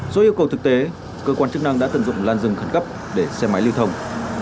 dù yêu cầu thực tế cơ quan chức năng đã tận dụng làn rừng khẳng cấp để xe máy lưu thông